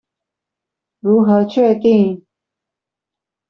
如何確定？